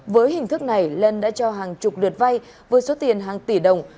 với hình thức này lân đã cho hàng chục lượt vay với số tiền hàng tỷ đồng